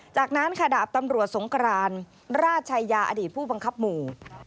จากนั้นค่ะดาบตำรวจสงกรานราชยาอดีตผู้บังคับหมู่